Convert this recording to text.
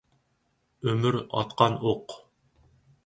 ئۆمۈر ئاتقان ئوق.